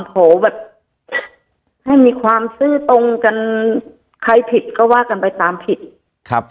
ขอแบบให้มีความซื่อตรงกันใครผิดก็ว่ากันไปตามผิดครับ